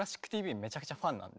めちゃくちゃファンなんで。